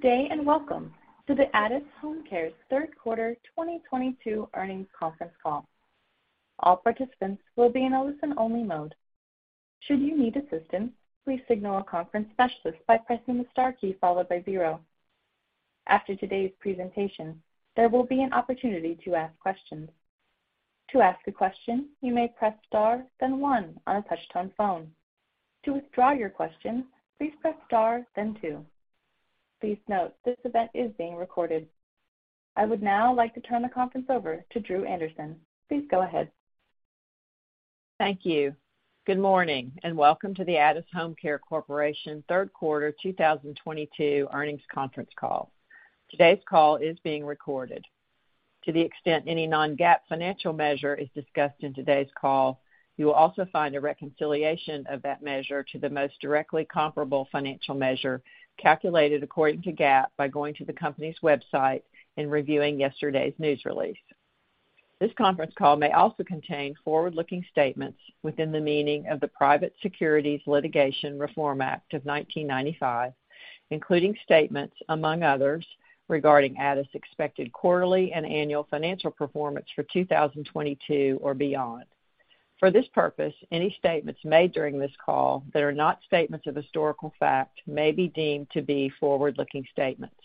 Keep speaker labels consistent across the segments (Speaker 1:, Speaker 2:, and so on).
Speaker 1: Good day, and welcome to the Addus HomeCare's Q3 2022 earnings conference call. All participants will be in a listen-only mode. Should you need assistance, please signal a conference specialist by pressing the star key followed by zero. After today's presentation, there will be an opportunity to ask questions. To ask a question, you may press star, then one on a touch-tone phone. To withdraw your question, please press star, then two. Please note, this event is being recorded. I would now like to turn the conference over to Dru Anderson. Please go ahead.
Speaker 2: Thank you. Good morning, and welcome to the Addus HomeCare Corporation Q3 2022 earnings conference call. Today's call is being recorded. To the extent any non-GAAP financial measure is discussed in today's call, you will also find a reconciliation of that measure to the most directly comparable financial measure calculated according to GAAP by going to the company's website and reviewing yesterday's news release. This conference call may also contain forward-looking statements within the meaning of the Private Securities Litigation Reform Act of 1995, including statements, among others, regarding Addus' expected quarterly and annual financial performance for 2022 or beyond. For this purpose, any statements made during this call that are not statements of historical fact may be deemed to be forward-looking statements.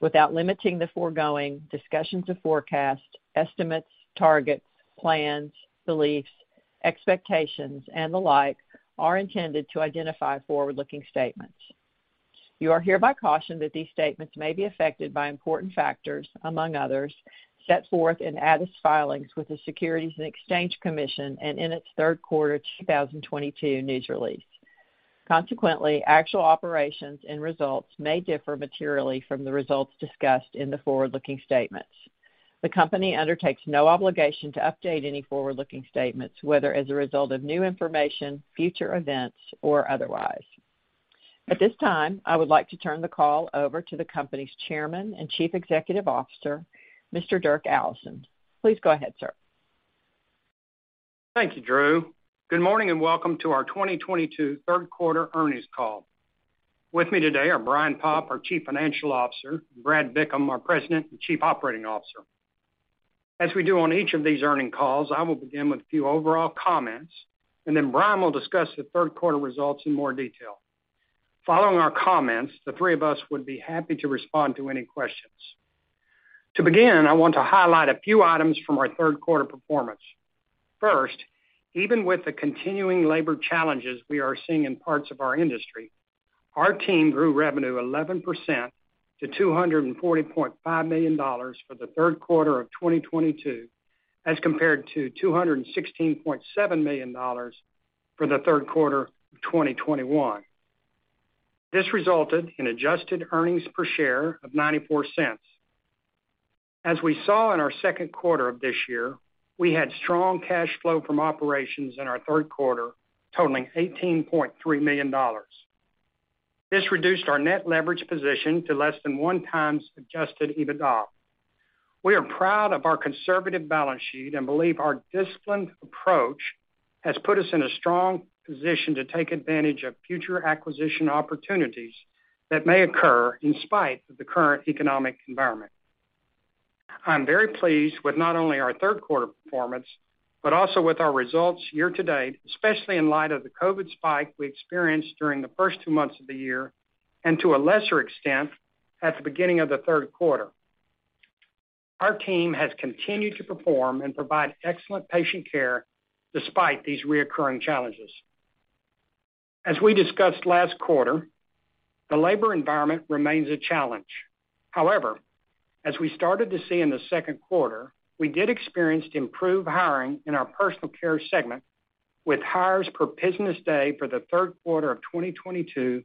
Speaker 2: Without limiting the foregoing, discussions of forecasts, estimates, targets, plans, beliefs, expectations and the like are intended to identify forward-looking statements. You are hereby cautioned that these statements may be affected by important factors, among others, set forth in Addus' filings with the Securities and Exchange Commission and in its Q3 2022 news release. Consequently, actual operations and results may differ materially from the results discussed in the forward-looking statements. The company undertakes no obligation to update any forward-looking statements, whether as a result of new information, future events or otherwise. At this time, I would like to turn the call over to the company's Chairman and Chief Executive Officer, Mr. Dirk Allison. Please go ahead, sir.
Speaker 3: Thank you, Dru. Good morning and welcome to our 2022 Q3 earnings call. With me today are Brian Poff, our Chief Financial Officer, and Brad Bickham, our President and Chief Operating Officer. As we do on each of these earnings calls, I will begin with a few overall comments and then Brian will discuss the Q3 results in more detail. Following our comments, the three of us would be happy to respond to any questions. To begin, I want to highlight a few items from our Q3 performance. First, even with the continuing labor challenges we are seeing in parts of our industry, our team grew revenue 11% to $240.5 million for the Q3 of 2022, as compared to $216.7 million for the Q3 of 2021. This resulted in adjusted earnings per share of $0.94. As we saw in our Q2 of this year, we had strong cash flow from operations in our Q3, totaling $18.3 million. This reduced our net leverage position to less than 1x adjusted EBITDA. We are proud of our conservative balance sheet and believe our disciplined approach has put us in a strong position to take advantage of future acquisition opportunities that may occur in spite of the current economic environment. I'm very pleased with not only our Q3 performance, but also with our results year to date, especially in light of the COVID spike we experienced during the first two months of the year and to a lesser extent at the beginning of the Q3. Our team has continued to perform and provide excellent patient care despite these recurring challenges. As we discussed last quarter, the labor environment remains a challenge. However, as we started to see in the Q2, we did experience improved hiring in our personal care segment, with hires per business day for the Q3 of 2022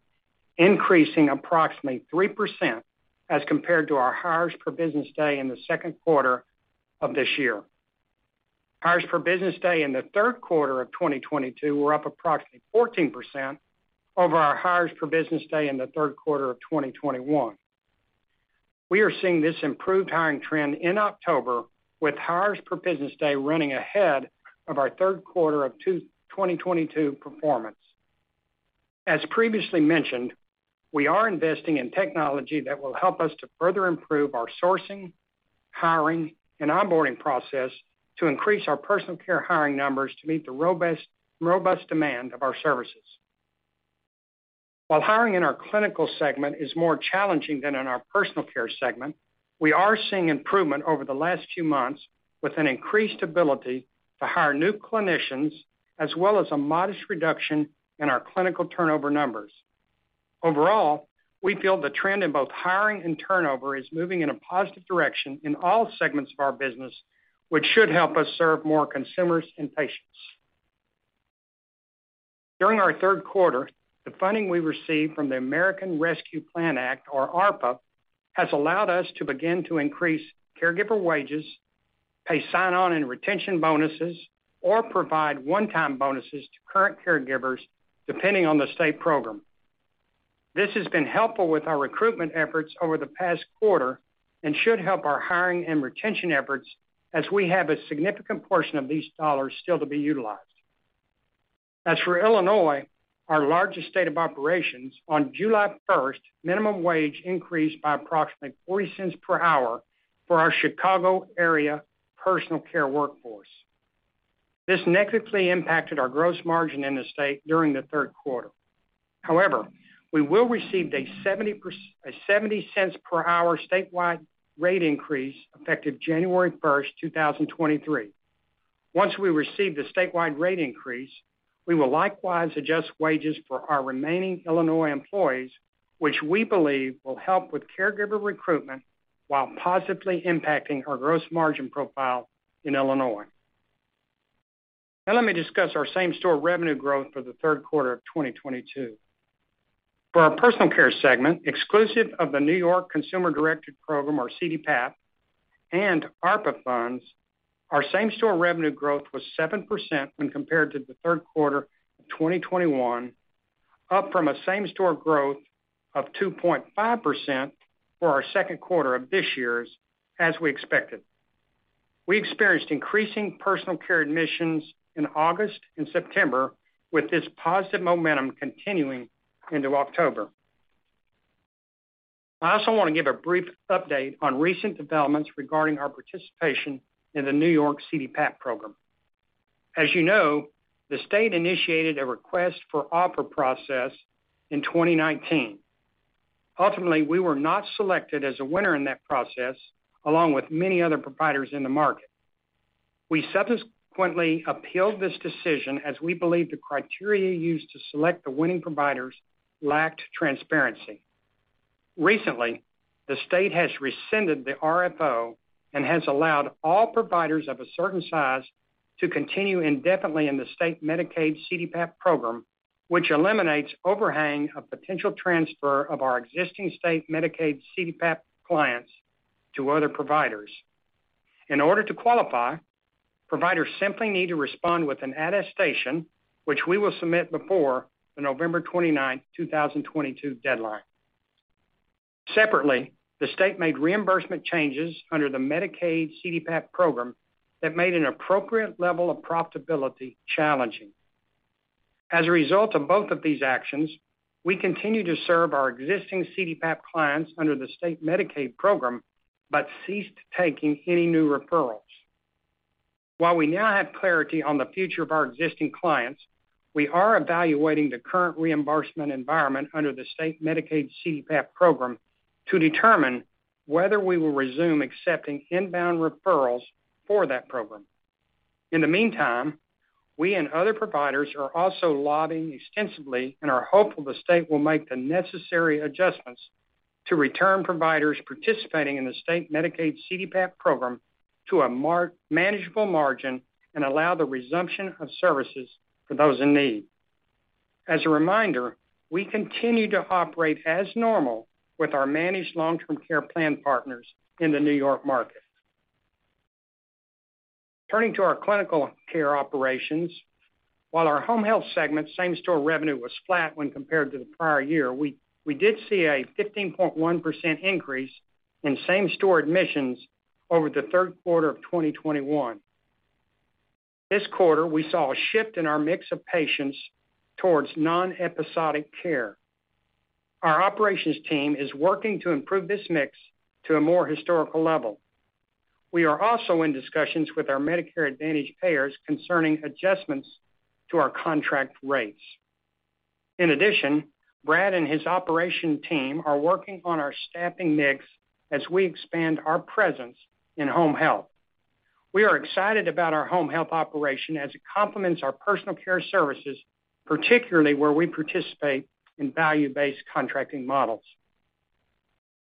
Speaker 3: increasing approximately 3% as compared to our hires per business day in the Q2 of this year. Hires per business day in the Q3 of 2022 were up approximately 14% over our hires per business day in the Q3 of 2021. We are seeing this improved hiring trend in October with hires per business day running ahead of our Q3 of 2022 performance. As previously mentioned, we are investing in technology that will help us to further improve our sourcing, hiring and onboarding process to increase our personal care hiring numbers to meet the robust demand of our services. While hiring in our clinical segment is more challenging than in our personal care segment, we are seeing improvement over the last few months with an increased ability to hire new clinicians as well as a modest reduction in our clinical turnover numbers. Overall, we feel the trend in both hiring and turnover is moving in a positive direction in all segments of our business which should help us serve more consumers and patients. During our Q3, the funding we received from the American Rescue Plan Act, or ARPA, has allowed us to begin to increase caregiver wages, pay sign-on and retention bonuses, or provide one-time bonuses to current caregivers depending on the state program. This has been helpful with our recruitment efforts over the past quarter and should help our hiring and retention efforts as we have a significant portion of these dollars still to be utilized. As for Illinois, our largest state of operations, on 1 July, minimum wage increased by approximately $0.40 per hour for our Chicago area personal care workforce. This negatively impacted our gross margin in the state during the Q3. However, we will receive a $0.70 per hour statewide rate increase effective 1 January, 2023. Once we receive the statewide rate increase, we will likewise adjust wages for our remaining Illinois employees, which we believe will help with caregiver recruitment while positively impacting our gross margin profile in Illinois. Now let me discuss our same-store revenue growth for the Q3 of 2022. For our personal care segment, exclusive of the New York Consumer Directed Program, or CDPAP, and ARPA funds, our same-store revenue growth was 7% when compared to the Q3 of 2021, up from a same-store growth of 2.5% for our Q2 of this year's, as we expected. We experienced increasing personal care admissions in August and September, with this positive momentum continuing into October. I also wanna give a brief update on recent developments regarding our participation in the New York CDPAP program. As you know, the state initiated a request for offer process in 2019. Ultimately, we were not selected as a winner in that process, along with many other providers in the market. We subsequently appealed this decision, as we believe the criteria used to select the winning providers lacked transparency. Recently, the state has rescinded the RFO and has allowed all providers of a certain size to continue indefinitely in the state Medicaid CDPAP program, which eliminates overhang of potential transfer of our existing state Medicaid CDPAP clients to other providers. In order to qualify, providers simply need to respond with an attestation, which we will submit before the 29 November 2022 deadline. Separately, the state made reimbursement changes under the Medicaid CDPAP program that made an appropriate level of profitability challenging. As a result of both of these actions, we continue to serve our existing CDPAP clients under the state Medicaid program, but ceased taking any new referrals. While we now have clarity on the future of our existing clients, we are evaluating the current reimbursement environment under the state Medicaid CDPAP program to determine whether we will resume accepting inbound referrals for that program. In the meantime, we and other providers are also lobbying extensively and are hopeful the state will make the necessary adjustments to return providers participating in the state Medicaid CDPAP program to a manageable margin and allow the resumption of services for those in need. As a reminder, we continue to operate as normal with our managed long-term care plan partners in the New York market. Turning to our clinical care operations. While our home health segment same-store revenue was flat when compared to the prior year, we did see a 15.1% increase in same-store admissions over the Q3 of 2021. This quarter, we saw a shift in our mix of patients towards non-episodic care. Our operations team is working to improve this mix to a more historical level. We are also in discussions with our Medicare Advantage payers concerning adjustments to our contract rates. In addition, Brad and his operations team are working on our staffing mix as we expand our presence in home health. We are excited about our home health operation as it complements our personal care services, particularly where we participate in value-based contracting models.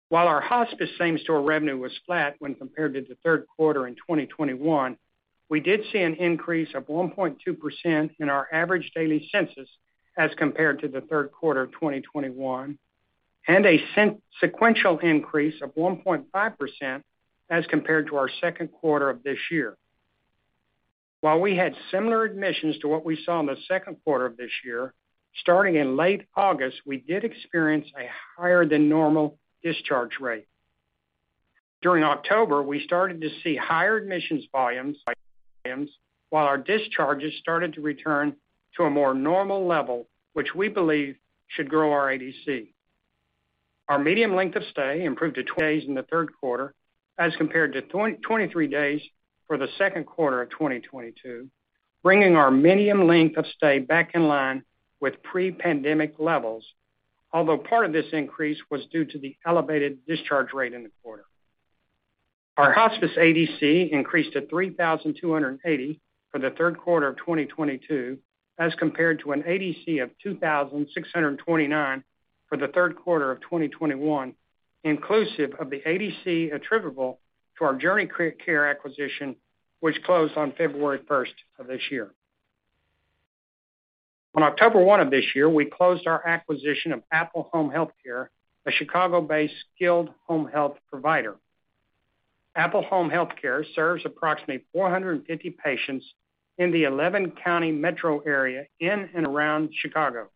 Speaker 3: While our hospice same-store revenue was flat when compared to the Q3 in 2021, we did see an increase of 1.2% in our average daily census as compared to the Q3 of 2021, and a sequential increase of 1.5% as compared to our Q2 of this year. While we had similar admissions to what we saw in the Q2 of this year, starting in late August, we did experience a higher than normal discharge rate. During October, we started to see higher admissions volumes, while our discharges started to return to a more normal level, which we believe should grow our ADC. Our median length of stay improved to 20 days in the Q3, as compared to 23 days for the Q2 of 2022, bringing our median length of stay back in line with pre-pandemic levels. Although part of this increase was due to the elevated discharge rate in the quarter. Our hospice ADC increased to 3,280 for the Q3 of 2022, as compared to an ADC of 2,629 for the Q3 of 2021, inclusive of the ADC attributable to our JourneyCare acquisition, which closed on 1 February of this year. On 1 October of this year, we closed our acquisition of Apple Home Healthcare, a Chicago-based skilled home health provider. Apple Home Healthcare serves approximately 450 patients in the 11-county metro area in and around Chicago.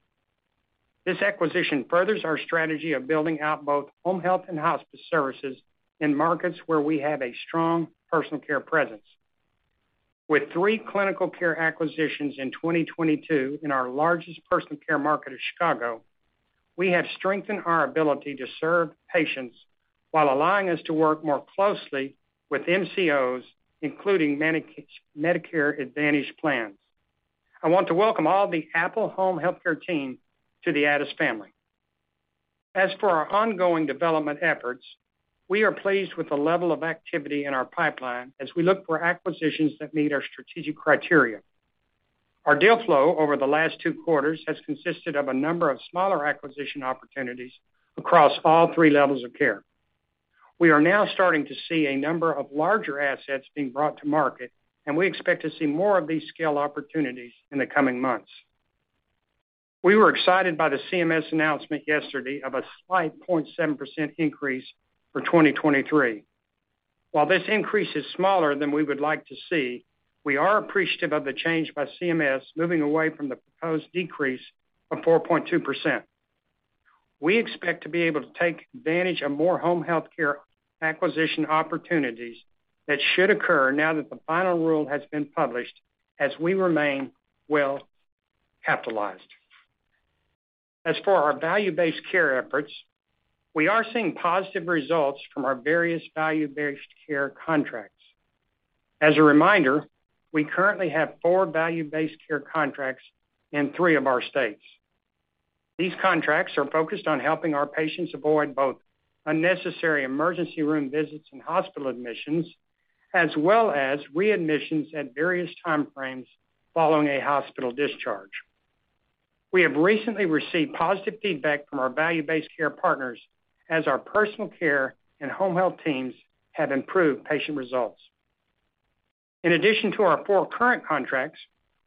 Speaker 3: This acquisition furthers our strategy of building out both home health and hospice services in markets where we have a strong personal care presence. With three clinical care acquisitions in 2022 in our largest personal care market of Chicago, we have strengthened our ability to serve patients while allowing us to work more closely with MCOs, including Medicare Advantage plans. I want to welcome all the Apple Home Healthcare team to the Addus family. As for our ongoing development efforts, we are pleased with the level of activity in our pipeline as we look for acquisitions that meet our strategic criteria. Our deal flow over the last two quarters has consisted of a number of smaller acquisition opportunities across all three levels of care. We are now starting to see a number of larger assets being brought to market, and we expect to see more of these scale opportunities in the coming months. We were excited by the CMS announcement yesterday of a slight 0.7% increase for 2023. While this increase is smaller than we would like to see, we are appreciative of the change by CMS moving away from the proposed decrease of 4.2%. We expect to be able to take advantage of more home health care acquisition opportunities that should occur now that the final rule has been published as we remain well-capitalized. As for our value-based care efforts, we are seeing positive results from our various value-based care contracts. As a reminder, we currently have four value-based care contracts in three of our states. These contracts are focused on helping our patients avoid both unnecessary emergency room visits and hospital admissions, as well as readmissions at various time frames following a hospital discharge. We have recently received positive feedback from our value-based care partners as our personal care and home health teams have improved patient results. In addition to our four current contracts,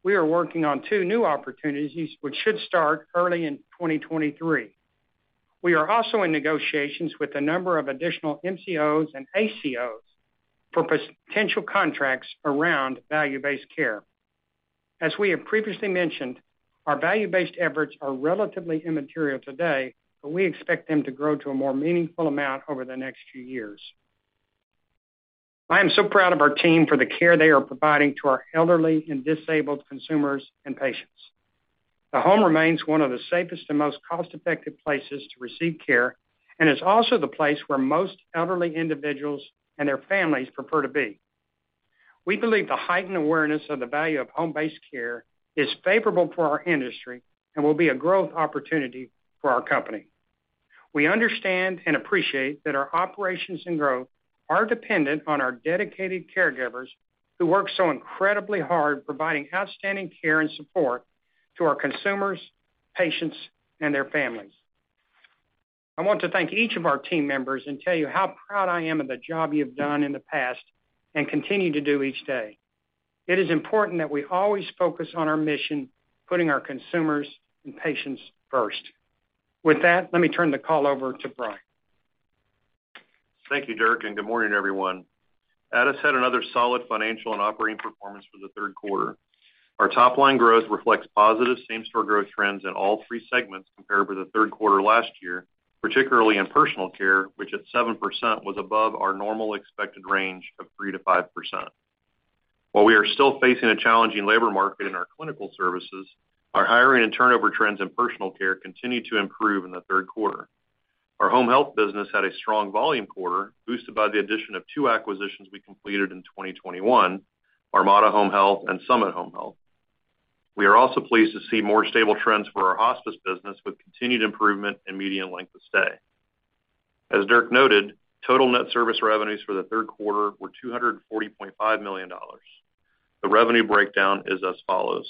Speaker 3: we are working on two new opportunities which should start early in 2023. We are also in negotiations with a number of additional MCOs and ACOs for potential contracts around value-based care. As we have previously mentioned, our value-based efforts are relatively immaterial today, but we expect them to grow to a more meaningful amount over the next few years. I am so proud of our team for the care they are providing to our elderly and disabled consumers and patients. The home remains one of the safest and most cost-effective places to receive care and is also the place where most elderly individuals and their families prefer to be. We believe the heightened awareness of the value of home-based care is favorable for our industry and will be a growth opportunity for our company. We understand and appreciate that our operations and growth are dependent on our dedicated caregivers who work so incredibly hard providing outstanding care and support to our consumers, patients, and their families. I want to thank each of our team members and tell you how proud I am of the job you have done in the past and continue to do each day. It is important that we always focus on our mission, putting our consumers and patients first. With that, let me turn the call over to Brian.
Speaker 4: Thank you, Dirk, and good morning, everyone. Addus had another solid financial and operating performance for the Q3. Our top-line growth reflects positive same-store growth trends in all three segments compared with the Q3 last year, particularly in personal care, which at 7% was above our normal expected range of 3% to 5%. While we are still facing a challenging labor market in our clinical services, our hiring and turnover trends in personal care continued to improve in the Q3. Our home health business had a strong volume quarter, boosted by the addition of two acquisitions we completed in 2021, Armada Skilled Home Health and Summit Home Health. We are also pleased to see more stable trends for our hospice business, with continued improvement in median length of stay. As Dirk noted, total net service revenues for the Q3 were $240.5 million. The revenue breakdown is as follows.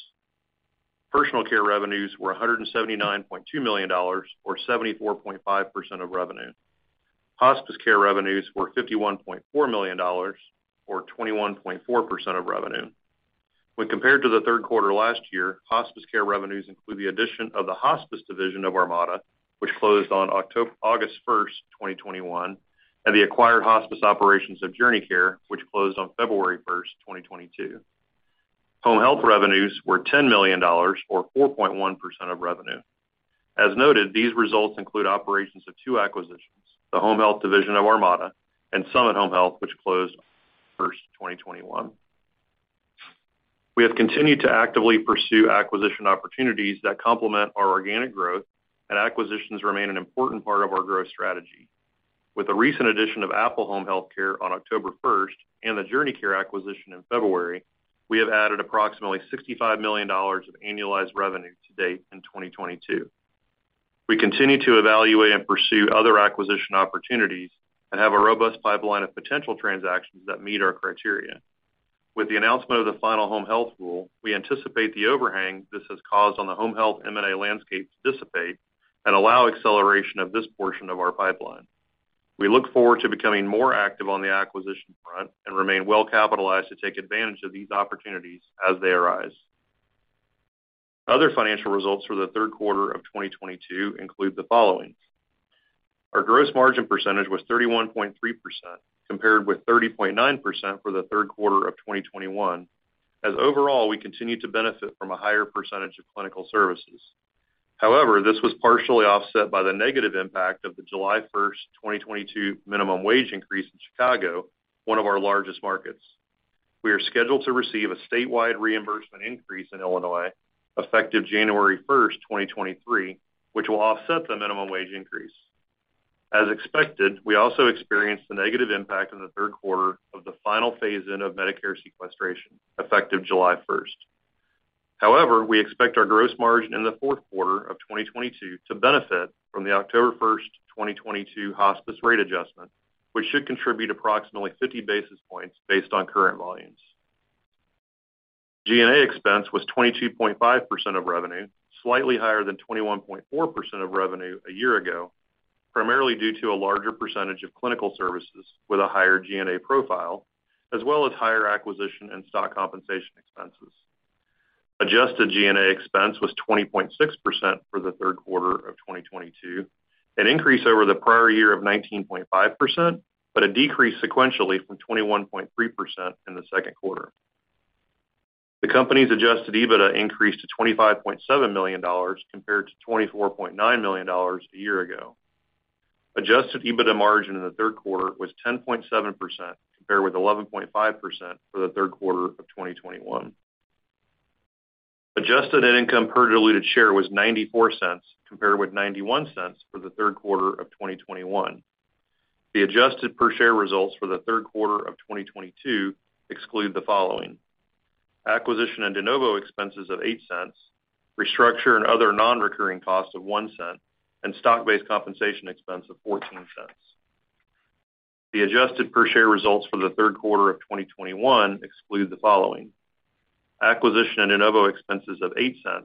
Speaker 4: Personal care revenues were $179.2 million or 74.5% of revenue. Hospice care revenues were $51.4 million or 21.4% of revenue. When compared to the Q3 last year, hospice care revenues include the addition of the hospice division of Armada, which closed on 1 August 2021, and the acquired hospice operations of JourneyCare, which clo sed on 1 February 2022. Home health revenues were $10 million or 4.1% of revenue. As noted, these results include operations of two acquisitions, the home health division of Armada and Summit Home Health, which closed 1 January 2021. We have continued to actively pursue acquisition opportunities that complement our organic growth, and acquisitions remain an important part of our growth strategy. With the recent addition of Apple Home Healthcare on 1 October and the JourneyCare acquisition in February, we have added approximately $65 million of annualized revenue to date in 2022. We continue to evaluate and pursue other acquisition opportunities and have a robust pipeline of potential transactions that meet our criteria. With the announcement of the final home health rule, we anticipate the overhang this has caused on the home health M&A landscape to dissipate and allow acceleration of this portion of our pipeline. We look forward to becoming more active on the acquisition front and remain well capitalized to take advantage of these opportunities as they arise. Other financial results for the Q3 of 2022 include the following. Our gross margin percentage was 31.3% compared with 30.9% for the Q3 of 2021, as overall, we continue to benefit from a higher percentage of clinical services. However, this was partially offset by the negative impact of the 1 July 2022 minimum wage increase in Chicago, one of our largest markets. We are scheduled to receive a statewide reimbursement increase in Illinois effective 1 January 2023, which will offset the minimum wage increase. As expected, we also experienced a negative impact in the Q3 of the final phase-in of Medicare sequestration effective 1 July. However, we expect our gross margin in the Q4 of 2022 to benefit from the 1 October 2022 hospice rate adjustment, which should contribute approximately 50 basis points based on current volumes. G&A expense was 22.5% of revenue, slightly higher than 21.4% of revenue a year ago, primarily due to a larger percentage of clinical services with a higher G&A profile, as well as higher acquisition and stock compensation expenses. Adjusted G&A expense was 20.6% for the Q3 of 2022, an increase over the prior year of 19.5%, but a decrease sequentially from 21.3% in the Q2. The company's adjusted EBITDA increased to $25.7 million compared to $24.9 million a year ago. Adjusted EBITDA margin in the Q3 was 10.7% compared with 11.5% for the Q3 of 2021. Adjusted net income per diluted share was $0.94 compared with $0.91 for the Q3 of 2021. The adjusted per share results for the Q3 of 2022 exclude the following, acquisition and de novo expenses of $0.08, restructure and other non-recurring costs of $0.01, and stock-based compensation expense of $0.14. The adjusted per share results for the Q3 of 2021 exclude the following, acquisition and de novo expenses of $0.08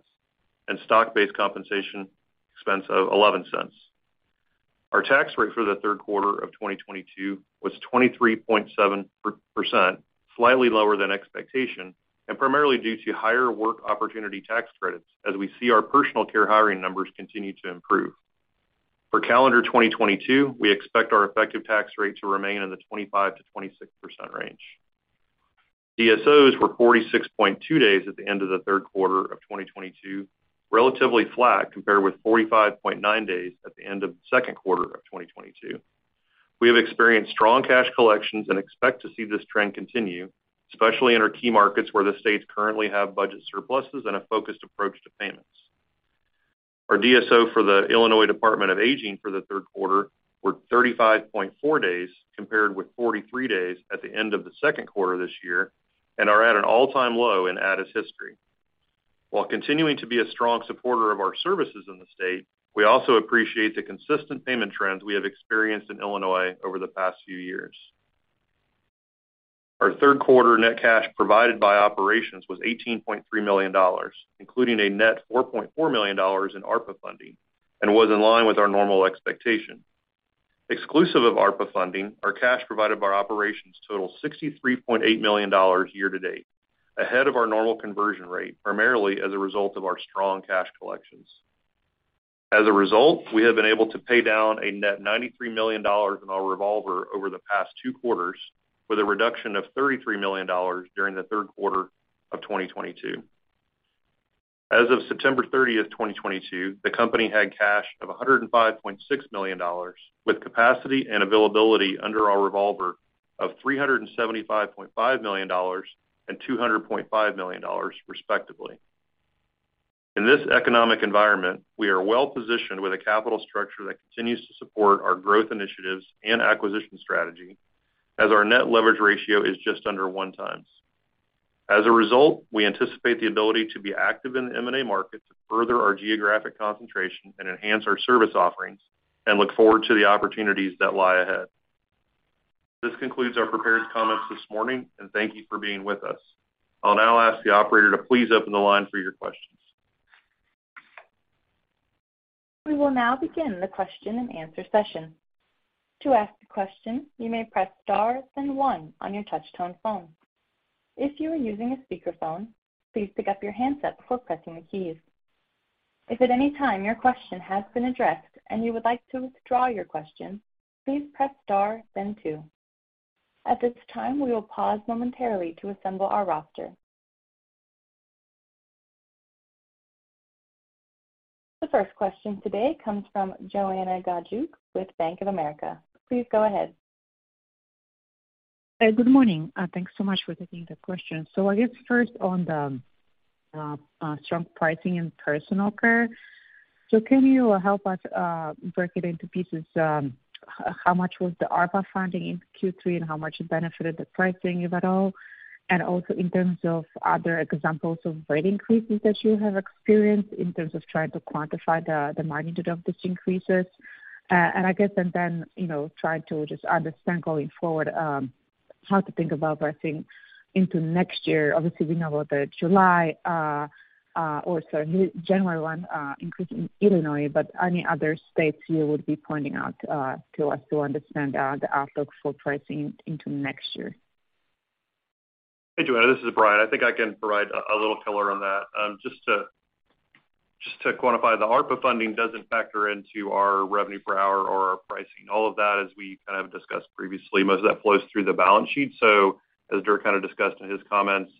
Speaker 4: and stock-based compensation expense of $0.11. Our tax rate for the Q3 of 2022 was 23.7%, slightly lower than expectation, and primarily due to higher work opportunity tax credits as we see our personal care hiring numbers continue to improve. For calendar 2022, we expect our effective tax rate to remain in the 25% to 26% range. DSOs were 46.2 days at the end of the Q3 of 2022, relatively flat compared with 45.9 days at the end of the Q2 of 2022. We have experienced strong cash collections and expect to see this trend continue, especially in our key markets where the states currently have budget surpluses and a focused approach to payments. Our DSO for the Illinois Department on Aging for the Q3 were 35.4 days compared with 43 days at the end of the Q2 this year and are at an all-time low in Addus history. While continuing to be a strong supporter of our services in the state, we also appreciate the consistent payment trends we have experienced in Illinois over the past few years. Our Q3 net cash provided by operations was $18.3 million, including a net $4.4 million in ARPA funding and was in line with our normal expectation. Exclusive of ARPA funding, our cash provided by operations total $63.8 million year to date, ahead of our normal conversion rate, primarily as a result of our strong cash collections. As a result, we have been able to pay down a net $93 million in our revolver over the past two quarters with a reduction of $33 million during the Q3 of 2022. As of 30 September 2022, the company had cash of $105.6 million, with capacity and availability under our revolver of $375.5 million and $200.5 million, respectively. In this economic environment, we are well positioned with a capital structure that continues to support our growth initiatives and acquisition strategy as our net leverage ratio is just under 1x. As a result, we anticipate the ability to be active in the M&A market to further our geographic concentration and enhance our service offerings and look forward to the opportunities that lie ahead. This concludes our prepared comments this morning, and thank you for being with us. I'll now ask the operator to please open the line for your questions.
Speaker 1: We will now begin the question-and-answer session. To ask a question, you may press star then one on your touch-tone phone. If you are using a speakerphone, please pick up your handset before pressing the keys. If at any time your question has been addressed and you would like to withdraw your question, please press star then two. At this time, we will pause momentarily to assemble our roster. The first question today comes from Joanna Gajuk with Bank of America. Please go ahead.
Speaker 5: Good morning. Thanks so much for taking the question. I guess first on the strong pricing in personal care. Can you help us break it into pieces? How much was the ARPA funding in Q3, and how much it benefited the pricing, if at all? Also in terms of other examples of rate increases that you have experienced in terms of trying to quantify the magnitude of these increases. I guess, and then, you know, trying to just understand going forward, how to think about pricing into next year. Obviously, we know about the July, or sorry, 1 January increase in Illinois, but any other states you would be pointing out to us to understand the outlook for pricing into next year?
Speaker 4: Hey, Joanna Gajuk, this is Brian Poff. I think I can provide a little color on that. Just to quantify, the ARPA funding doesn't factor into our revenue per hour or our pricing all of that, as we kind of discussed previously, most of that flows through the balance sheet. As Dirk Allison kind of discussed in his comments,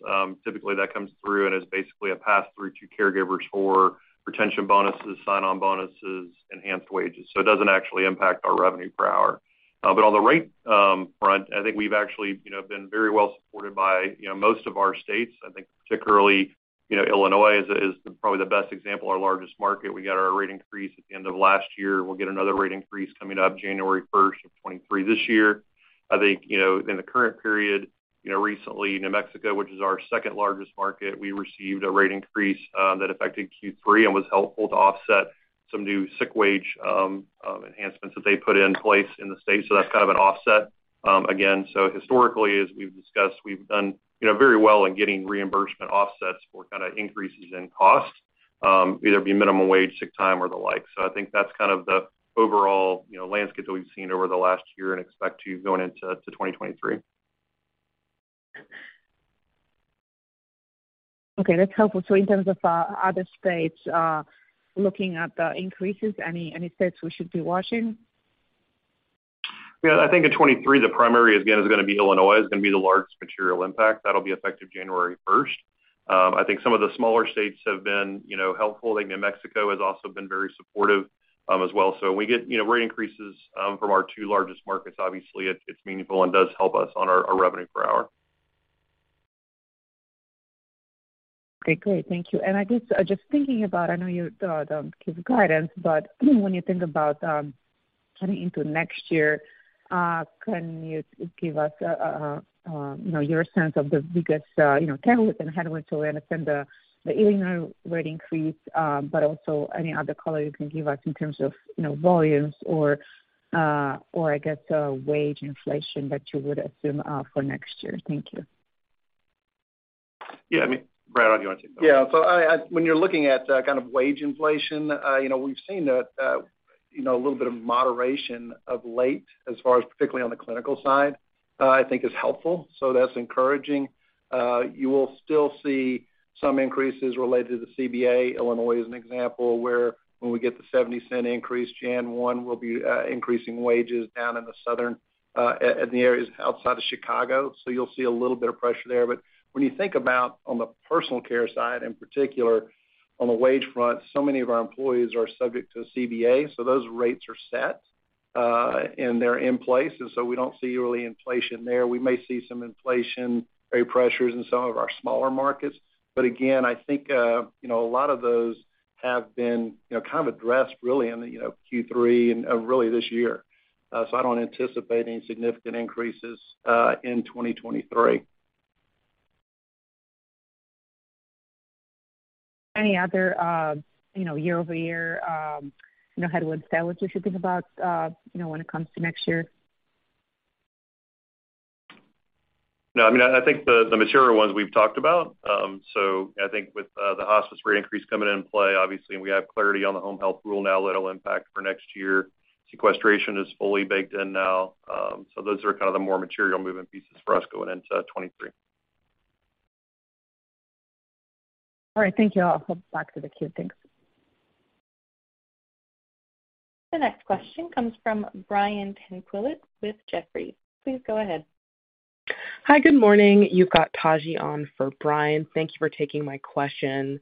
Speaker 4: typically that comes through and is basically a pass-through to caregivers for retention bonuses, sign-on bonuses, enhanced wages. It doesn't actually impact our revenue per hour. On the rate front, I think we've actually, you know, been very well supported by, you know, most of our states. I think particularly, you know, Illinois is probably the best example, our largest market we got our rate increase at the end of last year. We'll get another rate increase coming up 1 January 2023 this year. I think, you know, in the current period, you know, recently, New Mexico, which is our second largest market, we received a rate increase that affected Q3 and was helpful to offset some new sick wage enhancements that they put in place in the state that's kind of an offset. Again, historically, as we've discussed, we've done, you know, very well in getting reimbursement offsets for kinda increases in costs, either be it minimum wage, sick time or the like. I think that's kind of the overall, you know, landscape that we've seen over the last year and expect to going into, to 2023.
Speaker 5: Okay, that's helpful in terms of other states, looking at the increases, any states we should be watching?
Speaker 4: Yeah. I think in 2023, the primary again is gonna be Illinois is gonna be the largest material impact that'll be effective 1 January. I think some of the smaller states have been, you know, helpful i think New Mexico has also been very supportive, as well we get, you know, rate increases from our two largest markets obviously it's meaningful and does help us on our revenue per hour.
Speaker 5: Okay, great. Thank you i guess, just thinking about, I know you don't give guidance, but when you think about coming into next year, can you give us you know, your sense of the biggest you know, tailwinds and headwinds? I understand the Illinois rate increase, but also any other color you can give us in terms of you know, volumes or i guess, wage inflation that you would assume for next year. Thank you.
Speaker 4: Yeah, I mean, Brad, do you want to take that?
Speaker 6: Yeah. When you're looking at kind of wage inflation, you know, we've seen that, you know, a little bit of moderation of late as far as particularly on the clinical side, I think is helpful that's encouraging. You will still see some increases related to the CBA. Illinois is an example where when we get the $0.70 increase, 1 January will be increasing wages down in the southern at the areas outside of Chicago. You'll see a little bit of pressure there. But when you think about on the personal care side, in particular on the wage front, so many of our employees are subject to CBA, so those rates are set... And they're in place we don't see really inflation there. We may see some inflation rate pressures in some of our smaller markets. Again, I think, you know, a lot of those have been, you know, kind of addressed really in the, you know, Q3 and, really this year. I don't anticipate any significant increases, in 2023.
Speaker 5: Any other, you know, year-over-year, you know, headwinds, tailwinds we should think about, you know, when it comes to next year?
Speaker 4: No, I mean, I think the material ones we've talked about. I think with the hospice rate increase coming into play, obviously, and we have clarity on the home health rule now that'll impact for next year. Sequestration is fully baked in now. Those are kind of the more material moving pieces for us going into 2023.
Speaker 5: All right. Thank you all. I'll hop back to the queue. Thanks.
Speaker 1: The next question comes from Brian Tanquilut with Jefferies. Please go ahead.
Speaker 7: Hi, good morning. You've got Taji on for Brian. Thank you for taking my question.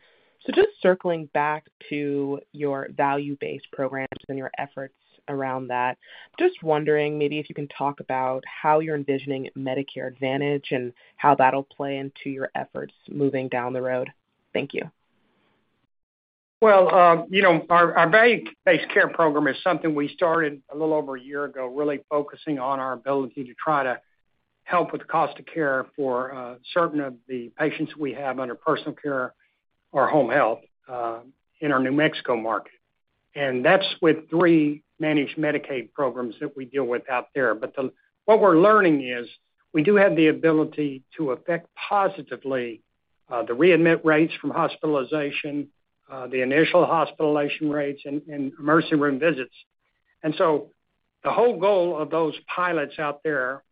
Speaker 7: Just circling back to your value-based programs and your efforts around that. Just wondering maybe if you can talk about how you're envisioning Medicare Advantage and how that'll play into your efforts moving down the road. Thank you.
Speaker 3: Well, you know, our value-based care program is something we started a little over a year ago, really focusing on our ability to try to help with the cost of care for certain of the patients we have under personal care or home health in our New Mexico market. That's with three managed Medicaid programs that we deal with out there what we're learning is we do have the ability to affect positively the readmission rates from hospitalization, the initial hospitalization rates and emergency room visits. The whole goal of those pilots out there,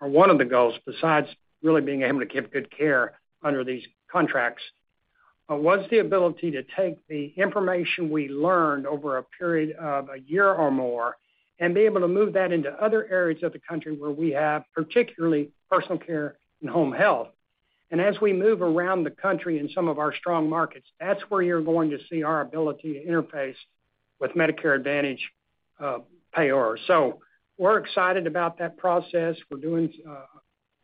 Speaker 3: or one of the goals, besides really being able to give good care under these contracts, was the ability to take the information we learned over a period of a year or more and be able to move that into other areas of the country where we have particularly personal care and home health. As we move around the country in some of our strong markets, that's where you're going to see our ability to interface with Medicare Advantage payers. We're excited about that process we're doing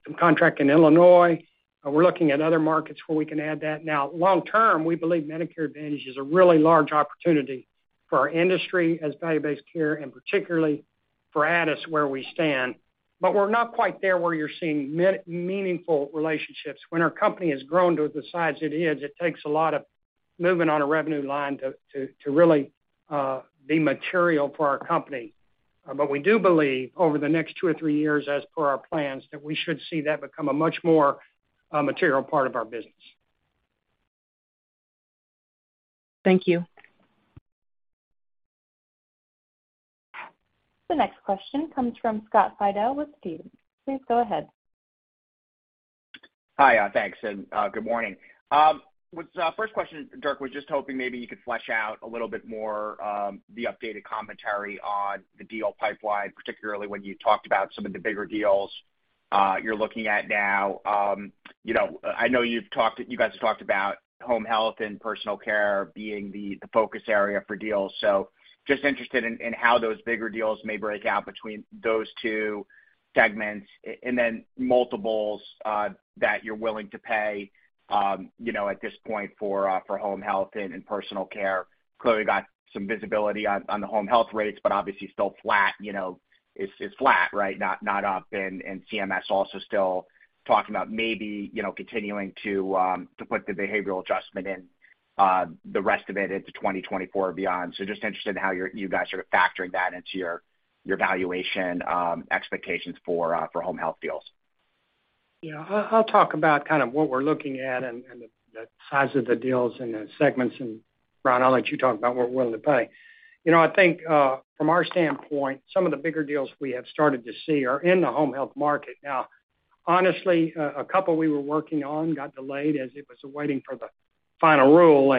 Speaker 3: some contracting in Illinois. We're looking at other markets where we can add that now long term, we believe Medicare Advantage is a really large opportunity for our industry as value-based care and particularly for Addus where we stand. We're not quite there where you're seeing meaningful relationships. When our company has grown to the size it is, it takes a lot of moving on a revenue line to really be material for our company. We do believe over the next two or three years, as per our plans, that we should see that become a much more material part of our business.
Speaker 7: Thank you.
Speaker 1: The next question comes from Scott Fidel with Stephens. Please go ahead.
Speaker 8: Hi, thanks and good morning. First question, Dirk, was just hoping maybe you could flesh out a little bit more the updated commentary on the deal pipeline, particularly when you talked about some of the bigger deals you're looking at now. You know, I know you guys have talked about home health and personal care being the focus area for deals. Just interested in how those bigger deals may break out between those two segments and then multiples that you're willing to pay, you know, at this point for home health and personal care. Clearly got some visibility on the home health rates, but obviously still flat, you know, it's flat, right, not up, CMS also still talking about maybe, you know, continuing to put the behavioral adjustment in the rest of it into 2024 or beyond. Just interested in how you guys are factoring that into your valuation expectations for home health deals.
Speaker 3: Yeah. I'll talk about kind of what we're looking at and the size of the deals and the segments. Brian, I'll let you talk about what we're willing to pay. You know, I think from our standpoint, some of the bigger deals we have started to see are in the home health market. Now, honestly, a couple we were working on got delayed as it was awaiting for the final rule.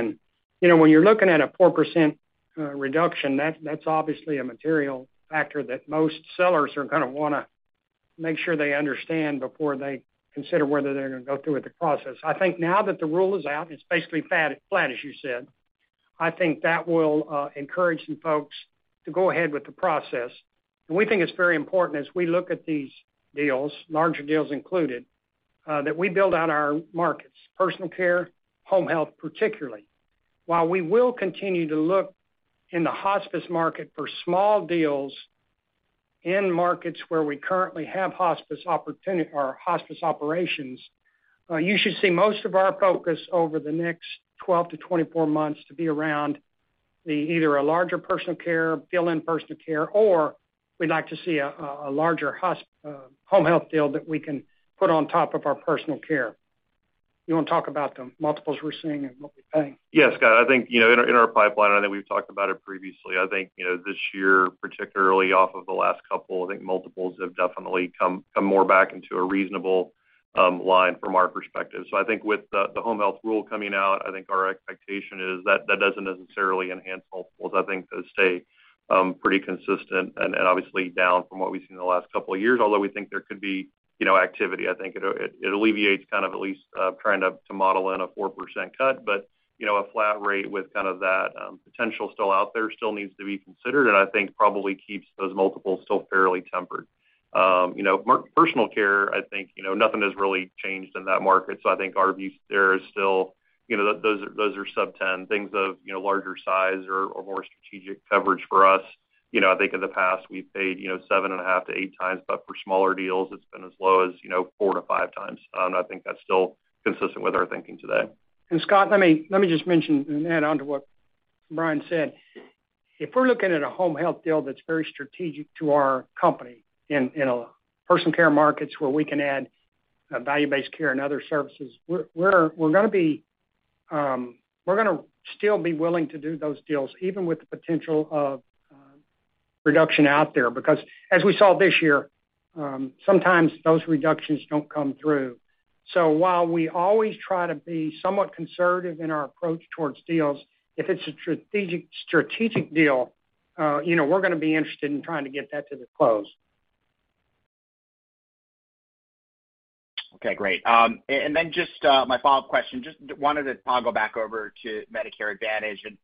Speaker 3: You know, when you're looking at a 4% reduction, that's obviously a material factor that most sellers are gonna wanna make sure they understand before they consider whether they're gonna go through with the process i think now that the rule is out, and it's basically flat, as you said, I think that will encourage some folks to go ahead with the process. We think it's very important as we look at these deals, larger deals included, that we build out our markets, personal care, home health, particularly. While we will continue to look in the hospice market for small deals in markets where we currently have hospice operations, you should see most of our focus over the next 12 to 24 months to be around either a larger personal care, fill in personal care, or we'd like to see a larger home health deal that we can put on top of our personal care. You wanna talk about the multiples we're seeing and what we're paying?
Speaker 4: Yeah, Scott, I think, you know, in our pipeline, I think we've talked about it previously. I think, you know, this year, particularly off of the last couple, I think multiples have definitely come more back into a reasonable line from our perspective i think with the home health rule coming out, I think our expectation is that that doesn't necessarily enhance multiples i think those stay pretty consistent and obviously down from what we've seen in the last couple of years, although we think there could be, you know, activity i think it alleviates kind of at least trying to model in a 4% cut. You know, a flat rate with kind of that potential still out there still needs to be considered, and I think probably keeps those multiples still fairly tempered. You know, personal care, I think, you know, nothing has really changed in that market i think our view there is still, you know, those are sub-$10 million things or, you know, larger size or more strategic coverage for us. You know, I think in the past we've paid, you know, 7.5 to 8 times, but for smaller deals, it's been as low as, you know, 4 to 5 times. I think that's still consistent with our thinking today.
Speaker 3: Scott, let me just mention and add on to what Brian said. If we're looking at a home health deal that's very strategic to our company in a personal care markets where we can add value-based care and other services, we're gonna be still be willing to do those deals even with the potential of reduction out there. Because as we saw this year, sometimes those reductions don't come through. While we always try to be somewhat conservative in our approach towards deals, if it's a strategic deal, you know, we're gonna be interested in trying to get that to the close.
Speaker 8: Okay, great. Just my follow-up question, just wanted to toggle back over to Medicare Advantage and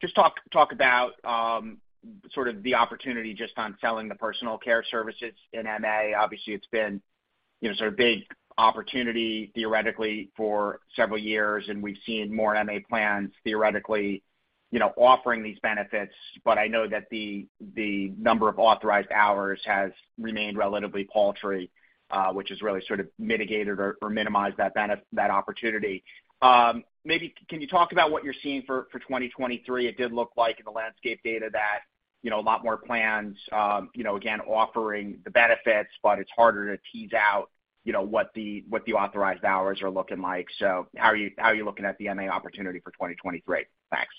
Speaker 8: just talk about sort of the opportunity just on selling the personal care services in M&A. Obviously, it's been, you know, sort of big opportunity theoretically for several years, and we've seen more M&A plans theoretically, you know, offering these benefits. I know that the number of authorized hours has remained relatively paltry, which has really sort of mitigated or minimized that opportunity. Maybe can you talk about what you're seeing for 2023? It did look like in the landscape data that, you know, a lot more plans, you know, again, offering the benefits, but it's harder to tease out, you know, what the authorized hours are looking like. How are you looking at the M&A opportunity for 2023? Thanks.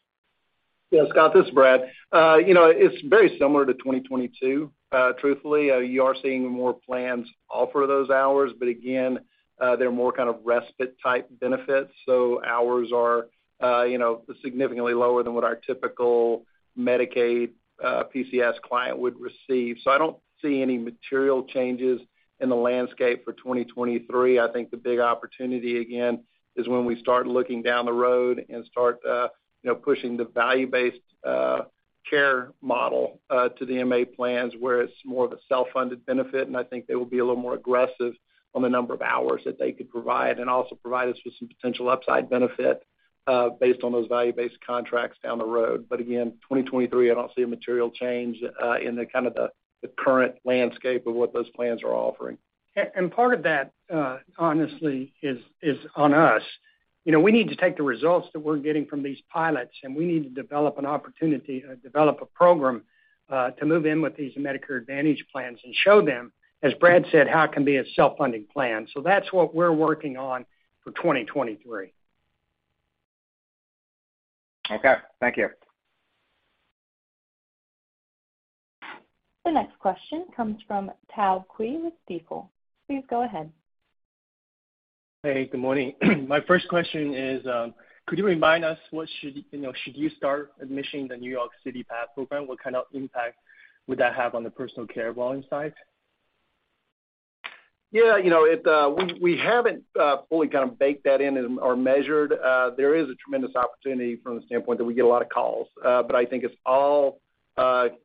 Speaker 6: Yeah, Scott, this is Brad. You know, it's very similar to 2022. Truthfully, you are seeing more plans offer those hours. But again, they're more kind of respite type benefits, so hours are, you know, significantly lower than what our typical Medicaid PCS client would receive so i don't see any material changes- -in the landscape for 2023 i think the big opportunity, again, is when we start looking down the road and start, you know, pushing the value-based care model to the M&A plans, where it's more of a self-funded benefit i think they will be a little more aggressive on the number of hours that they could provide and also provide us with some potential upside benefit based on those value-based contracts down the road. Again, 2023, I don't see a material change in the current landscape of what those plans are offering.
Speaker 3: Part of that, honestly, is on us. You know, we need to take the results that we're getting from these pilots, and we need to develop a program to move in with these Medicare Advantage plans and show them, as Brad said, how it can be a self-funding plan that's what we're working on for 2023.
Speaker 8: Okay. Thank you.
Speaker 1: The next question comes from Tao Qiu with [inaudble]. Please go ahead.
Speaker 9: Hey, good morning. My first question is, could you remind us, you know, should you start admitting in the New York CDPAP program, what kind of impact would that have on the personal care volume side?
Speaker 6: You know, we haven't fully kind of baked that in or measured. There is a tremendous opportunity from the standpoint that we get a lot of calls. But I think it's all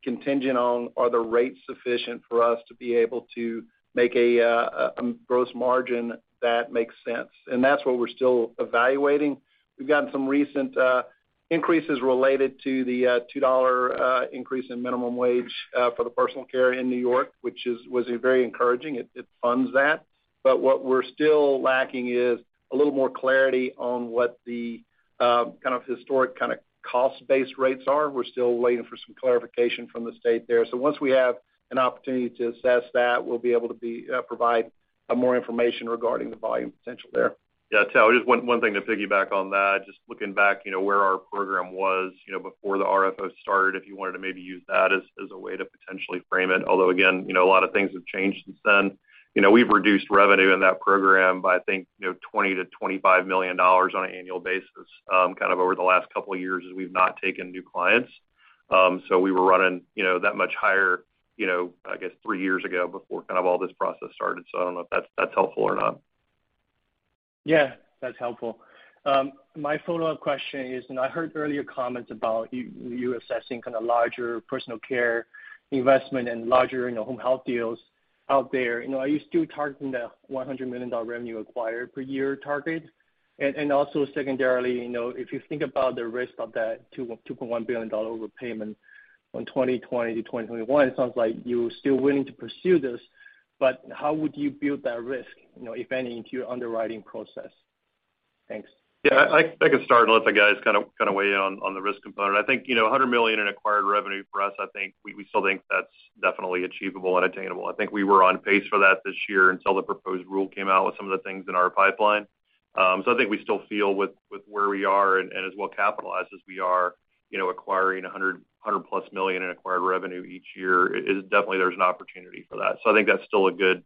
Speaker 6: contingent on are the rates sufficient for us to be able to make a gross margin that makes sense. That's what we're still evaluating. We've gotten some recent increases related to the $2 increase in minimum wage for the personal care in New York, which was very encouraging. It funds that. What we're still lacking is a little more clarity on what the kind of historic kind of cost-based rates are. We're still waiting for some clarification from the state there once we have an opportunity to assess that, we'll be able to provide more information regarding the volume potential there.
Speaker 4: Yeah. Tao, just one thing to piggyback on that. Just looking back, you know, where our program was, you know, before the RFO started, if you wanted to maybe use that as a way to potentially frame it although again, you know, a lot of things have changed since then. You know, we've reduced revenue in that program by, I think, you know, $20 to 25 million on an annual basis, kind of over the last couple of years as we've not taken new clients. So we were running, you know, that much higher, you know, I guess three years ago before kind of all this process started i don't know if that's helpful or not.
Speaker 9: Yeah, that's helpful. My follow-up question is, I heard earlier comments about you assessing kind of larger personal care investment and larger, you know, home health deals out there. You know, are you still targeting the $100 million revenue acquired per year target? And also secondarily, you know, if you think about the risk of that $2.1 billion overpayment on 2020 to 2021, it sounds like you're still willing to pursue this, but how would you build that risk, you know, if any, into your underwriting process? Thanks.
Speaker 4: Yeah, I can start and let the guys kind of weigh in on the risk component i think, you know, $100 million in acquired revenue for us, I think we still think that's definitely achievable and attainable i think we were on pace for that this year until the proposed rule came out with some of the things in our pipeline. I think we still feel with where we are and as well capitalized as we are, you know, acquiring $100+ million in acquired revenue each year is definitely there's an opportunity for that. I think that's still a good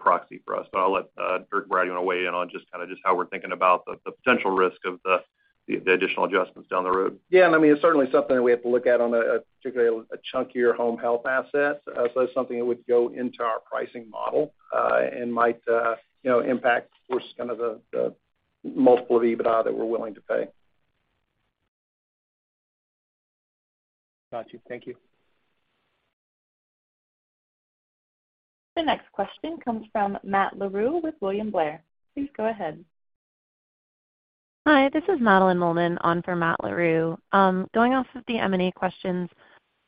Speaker 4: proxy for us i'll let Dirk or Brad, you want to weigh in on just kind of how we're thinking about the potential risk of the additional adjustments down the road.
Speaker 6: Yeah. I mean, it's certainly something that we have to look at on a particularly chunkier home health asset. So it's something that would go into our pricing model, and might, you know, impact of course, kind of the multiple of EBITDA that we're willing to pay.
Speaker 9: Got you. Thank you.
Speaker 1: The next question comes from Matt Larew with William Blair. Please go ahead.
Speaker 10: Hi, this is Madeline Mollenhauer on for Matt Larew. Going off of the M&A questions,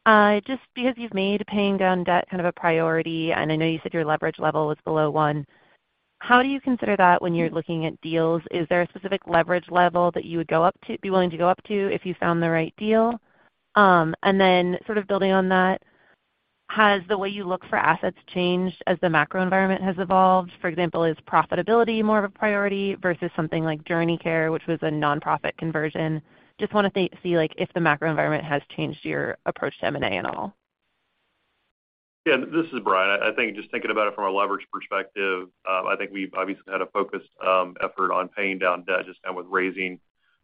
Speaker 10: just because you've made paying down debt kind of a priority, and I know you said your leverage level was below one, how do you consider that when you're looking at deals? Is there a specific leverage level that you would be willing to go up to if you found the right deal? Sort of building on that, has the way you look for assets changed as the macro environment has evolved? For example, is profitability more of a priority versus something like JourneyCare, which was a nonprofit conversion? Just want to see like if the macro environment has changed your approach to M&A at all.
Speaker 4: This is Brian. I think just thinking about it from a leverage perspective, I think we've obviously had a focused effort on paying down debt just now with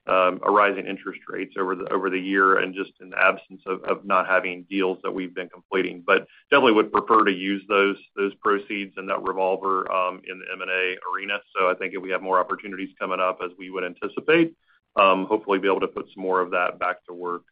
Speaker 4: rising interest rates over the year and just in absence of not having deals that we've been completing. I definitely would prefer to use those proceeds in that revolver in the M&A arena i think if we have more opportunities coming up as we would anticipate. Hopefully be able to put some more of that back to work,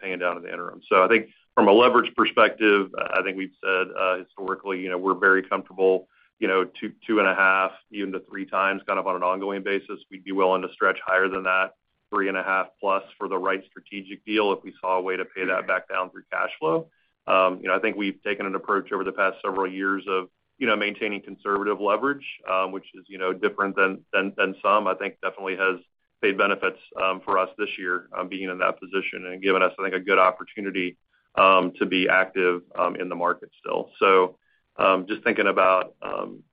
Speaker 4: paying down in the interim i think from a leverage perspective, I think we've said historically, you know, we're very comfortable, you know, 2 to 2.5 times even to 3x kind of on an ongoing basis we'd be willing to stretch higher than that 3.5+ for the right strategic deal if we saw a way to pay that back down through cash flow. You know, I think we've taken an approach over the past several years of, you know, maintaining conservative leverage, which is, you know, different than some i think definitely has paid benefits for us this year, being in that position and given us, I think, a good opportunity to be active in the market still. Just thinking about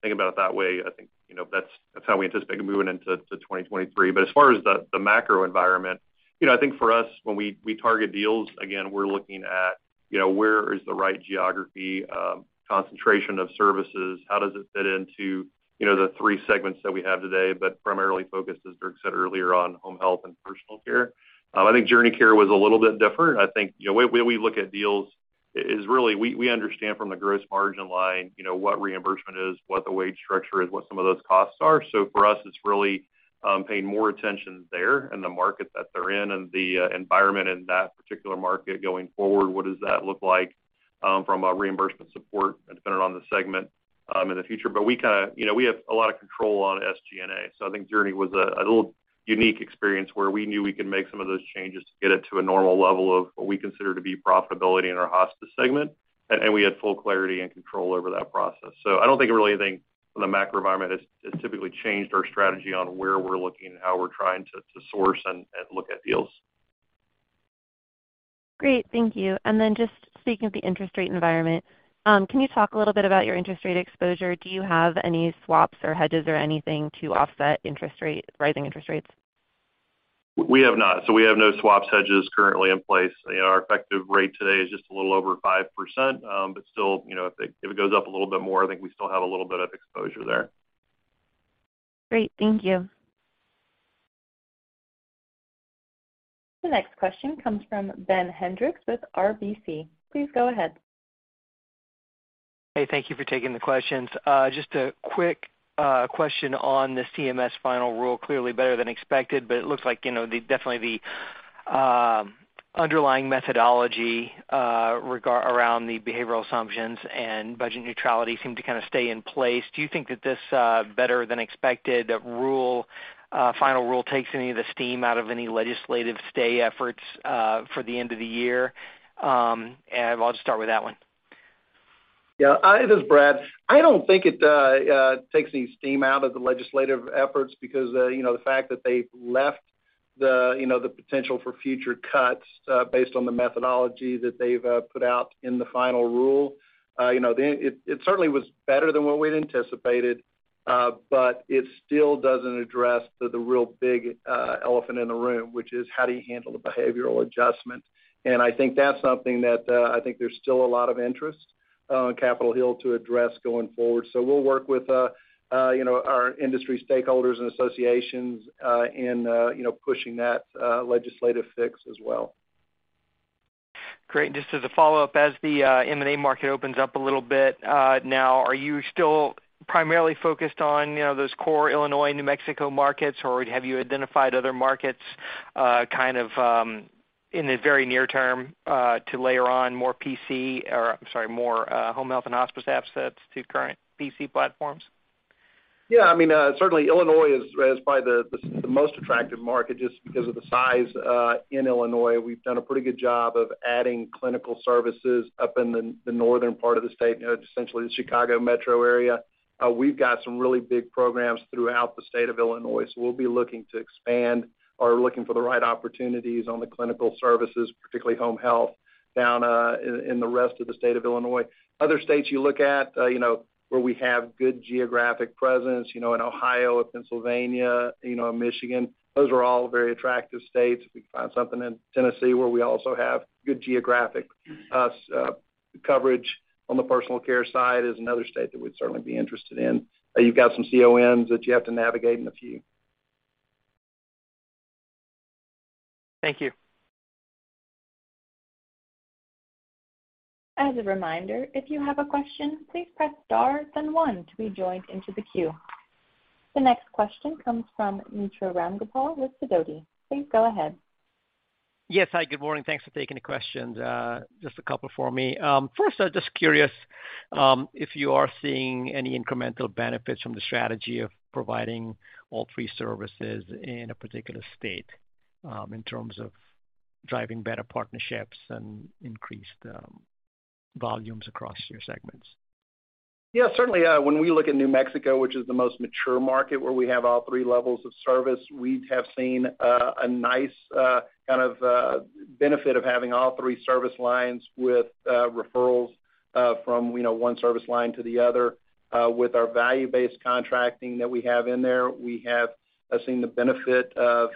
Speaker 4: it that way, I think, you know, that's how we anticipate it moving into 2023 as far as the macro environment, you know, I think for us, when we target deals, again, we're looking at, you know, where is the right geography, concentration of services, how does it fit into, you know, the three segments that we have today, but primarily focused, as Dirk said earlier, on home health and personal care. I think JourneyCare was a little bit different. I think, you know, the way we look at deals is really we understand from the gross margin line, you know, what reimbursement is, what the wage structure is, what some of those costs are for us, it's really paying more attention there in the market that they're in and the environment in that particular market going forward what does that look like- -from a reimbursement standpoint dependent on the segment, in the future? We kind of, you know, we have a lot of control on SG&A. I think JourneyCare was a little unique experience where we knew we could make some of those changes to get it to a normal level of what we consider to be profitability in our hospice segment. We had full clarity and control over that process. I don't think it really, the macro environment, has typically changed our strategy on where we're looking and how we're trying to source and look at deals.
Speaker 10: Great. Thank you. Just speaking of the interest rate environment, can you talk a little bit about your interest rate exposure? Do you have any swaps or hedges or anything to offset interest rate, rising interest rates?
Speaker 6: We have not. We have no swaps hedges currently in place. You know, our effective rate today is just a little over 5%, but still, you know, if it goes up a little bit more, I think we still have a little bit of exposure there.
Speaker 10: Great. Thank you.
Speaker 1: The next question comes from Ben Hendrix with RBC. Please go ahead.
Speaker 11: Hey, thank you for taking the questions. Just a quick question on this CMS final rule, clearly better than expected, but it looks like definitely the underlying methodology regarding the behavioral assumptions and budget neutrality seem to kinda stay in place. Do you think that this better than expected final rule takes any of the steam out of any legislative stay efforts for the end of the year? I'll just start with that one.
Speaker 6: Yeah. This is Brad. I don't think it takes any steam out of the legislative efforts because, you know, the fact that they left the, you know, the potential for future cuts, based on the methodology that they've put out in the final rule, you know, then it certainly was better than what we'd anticipated, but it still doesn't address the real big elephant in the room, which is how do you handle the behavioral adjustment. I think that's something that I think there's still a lot of interest on Capitol Hill to address going forward we'll work with, you know, our industry stakeholders and associations, in, you know, pushing that legislative fix as well.
Speaker 11: Great. Just as a follow-up, as the M&A market opens up a little bit, now, are you still primarily focused on, you know, those core Illinois, New Mexico markets, or have you identified other markets, kind of, in the very near term, to layer on more PC, or I'm sorry, more, home health and hospice assets to current PC platforms?
Speaker 6: Yeah, I mean, certainly Illinois is probably the most attractive market just because of the size in Illinois. We've done a pretty good job of adding clinical services up in the northern part of the state, you know, essentially the Chicago metro area. We've got some really big programs throughout the state of Illinois, so we'll be looking to expand or looking for the right opportunities on the clinical services, particularly home health down in the rest of the state of Illinois. Other states you look at, you know, where we have good geographic presence, you know, in Ohio and Pennsylvania, you know, Michigan, those are all very attractive states we can find something in Tennessee where we also have good geographic coverage on the personal care side is another state that we'd certainly be interested in. You've got some CONs that you have to navigate in a few.
Speaker 11: Thank you.
Speaker 1: As a reminder, if you have a question, please press star then one to be joined into the queue. The next question comes from Mitra Ramgopal with SIDOTI. Please go ahead.
Speaker 12: Yes. Hi, good morning. Thanks for taking the questions. Just a couple for me. First, I was just curious if you are seeing any incremental benefits from the strategy of providing all three services in a particular state, in terms of driving better partnerships and increased volumes across your segments?
Speaker 6: Yeah, certainly when we look at New Mexico, which is the most mature market where we have all three levels of service, we have seen a nice kind of benefit of having all three service lines with referrals from, you know, one service line to the other. With our value-based contracting that we have in there, we have seen the benefit of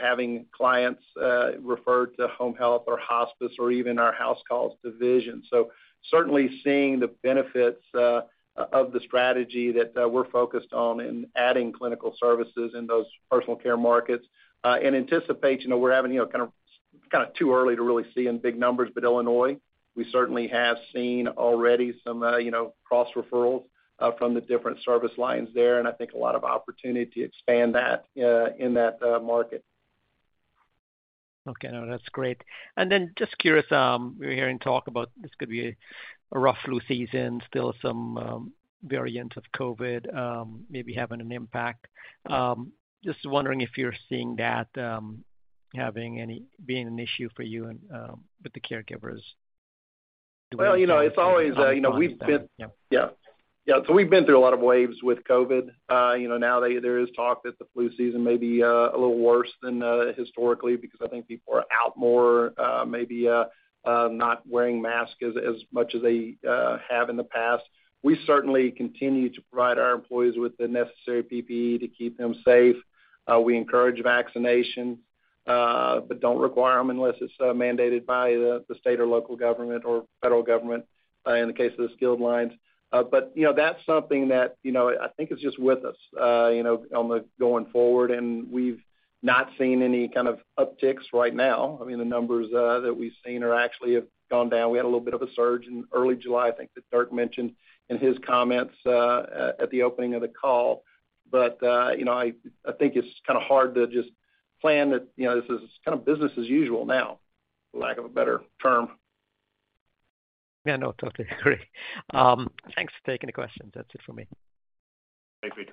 Speaker 6: having clients referred to home health or hospice or even our house calls division. Certainly seeing the benefits of the strategy that we're focused on in adding clinical services in those personal care markets. In anticipation, we're having, you know, kind of too early to really see in big numbers, but Illinois, we certainly have seen already some, you know, cross referrals from the different service lines there, and I think a lot of opportunity to expand that in that market.
Speaker 12: Okay. No, that's great. Just curious, we're hearing talk about this could be a rough flu season, still some variant of COVID, maybe having an impact. Just wondering if you're seeing that, being an issue for you and with the caregivers.
Speaker 6: Well, you know, it's always, you know, we've been.
Speaker 12: Yeah.
Speaker 6: Yeah. Yeah, so we've been through a lot of waves with COVID. You know, now there is talk that the flu season may be a little worse than historically because I think people are out more, maybe not wearing masks as much as they have in the past. We certainly continue to provide our employees with the necessary PPE to keep them safe. We encourage vaccination, but don't require them unless it's mandated by the state or local government or federal government, in the case of the skilled lines. You know, that's something that you know, I think is just with us, you know, on the going forward, and we've not seen any kind of upticks right now. I mean, the numbers that we've seen are actually have gone down we had a little bit of a surge in early July, I think, that Dirk mentioned in his comments at the opening of the call. You know, I think it's kinda hard to just plan that, you know, this is kind of business as usual now, for lack of a better term.
Speaker 12: Yeah, no, totally agree. Thanks for taking the questions. That's it for me.
Speaker 6: Thank you.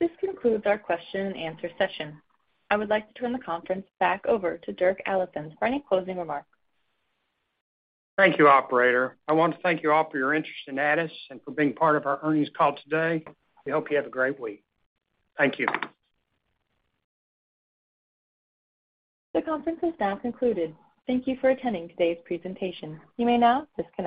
Speaker 1: This concludes our question and answer session. I would like to turn the conference back over to Dirk Allison for any closing remarks.
Speaker 3: Thank you, operator. I want to thank you all for your interest in Addus and for being part of our earnings call today. We hope you have a great week. Thank you.
Speaker 1: The conference is now concluded. Thank you for attending today's presentation. You may now disconnect.